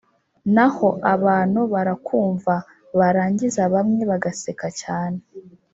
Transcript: Naho abantu barakumva barangiza bamwe bagaseka cyane